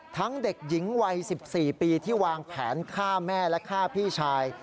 เด็กหญิงวัย๑๔ปีที่วางแผนฆ่าแม่และฆ่าพี่ชาย